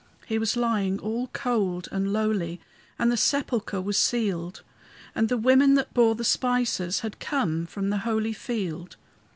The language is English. He was lying all cold and lowly, And the sepulchre was sealed, And the women that bore the spices Had come from the holy field.